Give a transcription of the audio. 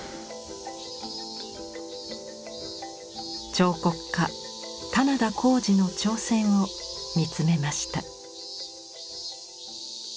彫刻家・棚田康司の挑戦を見つめました。